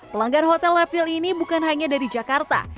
pelanggan hotel reptil ini bukan hanya dari jakarta